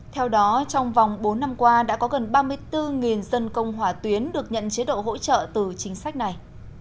theo đó trong vòng bốn năm qua đã có gần ba mươi bốn dân công hỏa tuyến được nhận chế độ hỗ trợ từ chính sách này